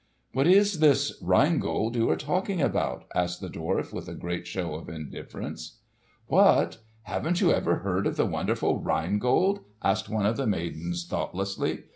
"What is this Rhine Gold you are talking about?" asked the dwarf with a great show of indifference. "What! Haven't you ever heard of the wonderful Rhine Gold?" asked one of the maidens thoughtlessly.